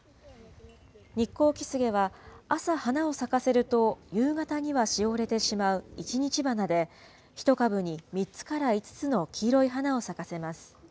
ニッコウキスゲは朝、花を咲かせると夕方にはしおれてしまう一日花で、１株に３つから５つの黄色い花を咲かせます。